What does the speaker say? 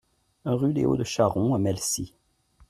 Rue des Hauts de Charon à Mellecey